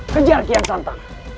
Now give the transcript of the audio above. kejar kian santang